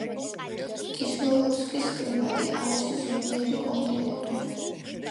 კისლოვოდსკის კლიმატი არის ზომიერი კონტინენტური.